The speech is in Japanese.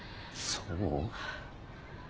そう。